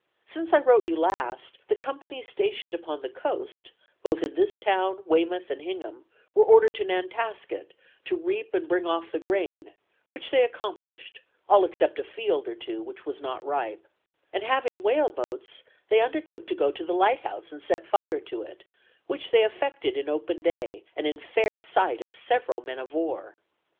Since I wrote you last, the companies stationed upon the coast, both in this town, Weymouth, and Hingham, were ordered to Nantasket, to reap and bring off the grain, which they accomplished, all except a field or two which was not ripe; and having whaleboats, they undertook to go to the Lighthouse and set fire to it, which they effected in open day, and in fair sight of several men of war.